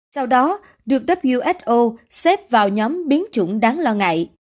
sau đó được who xếp vào nhóm biến chủng đáng lo ngại